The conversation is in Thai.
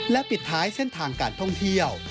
ปิดท้ายเส้นทางการท่องเที่ยว